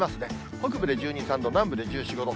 北部で１２、３度、南部で１４、５度。